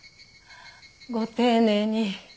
ご丁寧に。